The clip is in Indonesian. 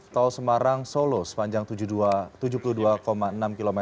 tol semarang solo sepanjang tujuh puluh dua enam km